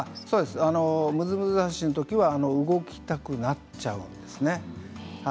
ムズムズ脚のときは動きたくなっちゃうんですね。